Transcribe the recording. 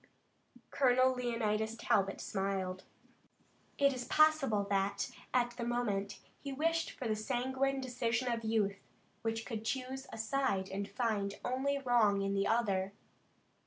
Colonel Leonidas Talbot smiled. It is possible that, at the moment, he wished for the sanguine decision of youth, which could choose a side and find only wrong in the other.